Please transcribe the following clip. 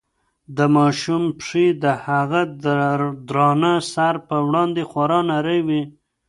د ماشوم پښې د هغه د درانه سر په وړاندې خورا نرۍ وې.